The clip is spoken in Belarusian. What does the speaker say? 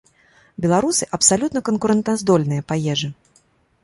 Беларусы абсалютна канкурэнтаздольныя па ежы.